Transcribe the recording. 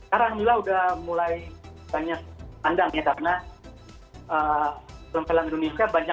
alhamdulillah sudah mulai banyak pandang ya